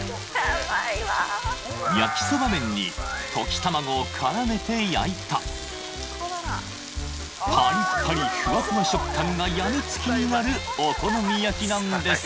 焼きそば麺に溶き卵を絡めて焼いたパリパリふわふわ食感が病みつきになるお好み焼きなんです